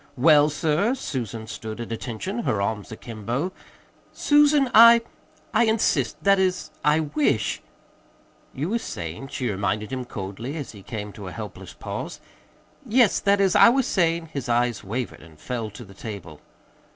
"Well, sir?" Susan stood at attention, her arms akimbo. "Susan, I I insist that is, I wish " "You was sayin' " she reminded him coldly, as he came to a helpless pause. "Yes. That is, I was saying " His eyes wavered and fell to the table.